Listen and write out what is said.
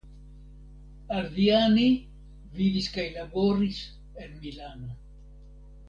Alviani vivis kaj laboris en Milano.